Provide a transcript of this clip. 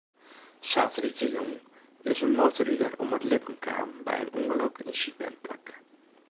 Saterdeitejûn is in motorrider om it libben kaam by in ûngelok yn syn wenplak.